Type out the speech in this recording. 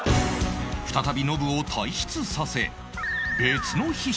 再びノブを退室させ別の必勝法を